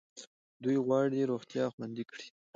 دوی غواړي روغتیا خوندي کړي.